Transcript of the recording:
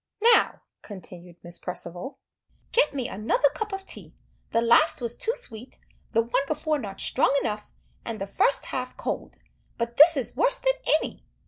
"Now!" continued Miss Perceval, "get me another cup of tea. The last was too sweet, the one before not strong enough, and the first half cold, but this is worse than any.